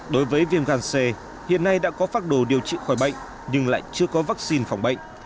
đối với viêm gan c hiện nay đã có phác đồ điều trị khỏi bệnh nhưng lại chưa có vắc xin phòng chống bệnh